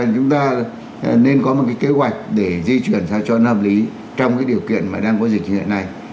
chúng ta nên có một cái kế hoạch để di chuyển sao cho nó hợp lý trong cái điều kiện mà đang có dịch như hiện nay